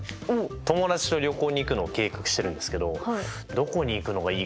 友達と旅行に行くのを計画してるんですけどどこに行くのがいいかなと思ってて。